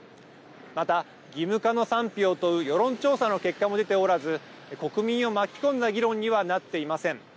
また、義務化の賛否を問う世論調査の結果も出ておらず国民を巻き込んだ議論にはなっていません。